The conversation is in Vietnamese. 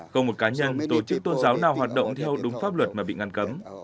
không một cá nhân tổ chức tôn giáo nào hoạt động theo đúng pháp luật mà bị ngăn cấm